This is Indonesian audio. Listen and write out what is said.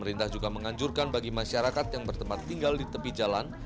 pemerintah juga menganjurkan bagi masyarakat yang bertempat tinggal di tepi jalan